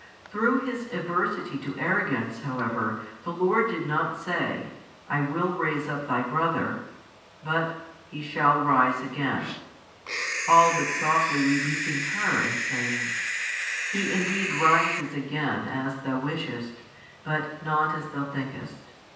Through His aversity to arrogance, however, the Lord did not say: "I will raise up thy brother," but: "He shall rise again;" all but softly rebuking her and saying: "He indeed rises again as thou wishest, but not as thou thinkest.